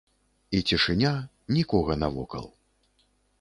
І цішыня, нікога навокал.